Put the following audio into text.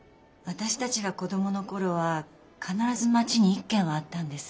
私たちが子どもの頃は必ず街に一軒はあったんです。